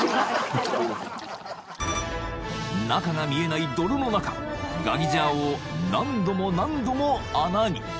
［中が見えない泥の中ガギジャーを何度も何度も穴に］